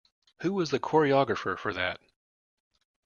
Who was the choreographer for that?